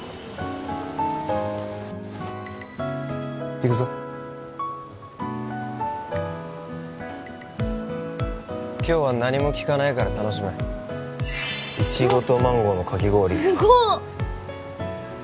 行くぞ今日は何も聞かないから楽しめイチゴとマンゴーのかき氷わっすごっ